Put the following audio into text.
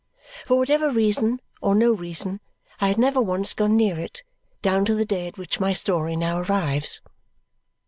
For whatever reason or no reason, I had never once gone near it, down to the day at which my story now arrives.